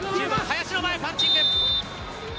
９番・林の前、パンチング。